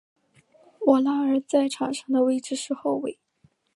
沃拉尔在场上的位置是后卫。